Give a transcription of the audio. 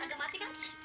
rada mati kan